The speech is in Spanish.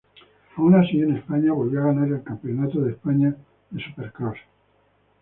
Aun así, en España volvió a ganar el Campeonato de España de Supercross.